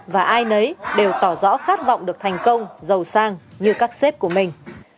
và ai nấy đều tỏ rõ khát vọng được thành công giàu sang như các xếp của mình